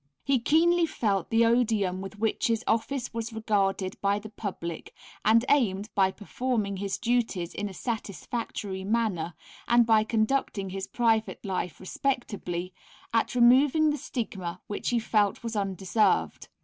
He keenly felt the odium with which his office was regarded by the public, and aimed, by performing his duties in a satisfactory manner, and by conducting his private life respectably, at removing the stigma which he felt was undeserved.